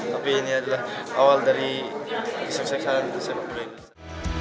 tapi ini adalah awal dari kesuksesan sepak bola indonesia